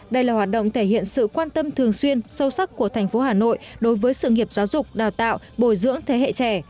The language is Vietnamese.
đây là hoạt động thể hiện sự quan tâm thường xuyên sâu sắc của thành phố hà nội đối với sự nghiệp giáo dục đào tạo bồi dưỡng thế hệ trẻ